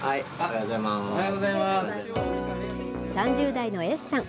３０代のＳさん。